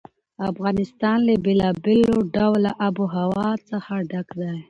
افغانستان له بېلابېلو ډوله آب وهوا څخه ډک دی.